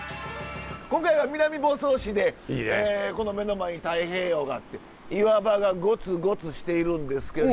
今回は南房総市でこの目の前に太平洋があって岩場がゴツゴツしているんですけれど。